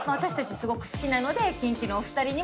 すごく好きなので。